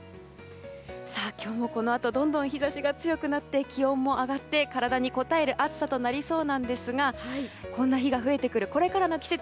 今日もこのあとどんどん日差しが強くなって気温も上がって体にこたえる暑さになりそうなんですがこんな日が増えてくるこれからの季節